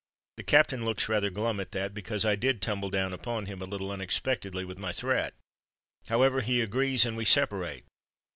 The Captain looks rather glum at that, because I did tumble down upon him a little unexpectedly with my threat. However, he agrees; and we separate.